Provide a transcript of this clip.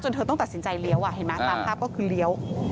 เธอต้องตัดสินใจเลี้ยวเห็นไหมตามภาพก็คือเลี้ยว